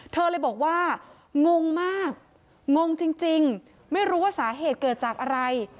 เธอเลยบอกว่างงมากงงจริงไม่รู้ว่าสาเหตุเกิดจากอะไร